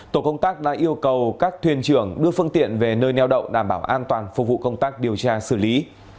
tổ công tác đã yêu cầu các thuyền trưởng đưa phương tiện về nơi neo đậu đảm bảo an toàn phục vụ công tác điều tra xử lý